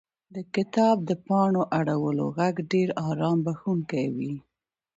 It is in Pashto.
• د کتاب د پاڼو اړولو ږغ ډېر آرام بښونکی وي.